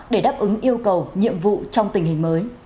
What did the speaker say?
để đáp ứng yêu cầu nhiệm vụ trong tình hình mới